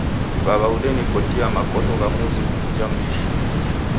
W'aw'a odenikotia makoto gha muzi ughuja m'mbishi.